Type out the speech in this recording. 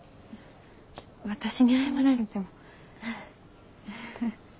私に謝られても。